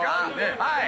はい。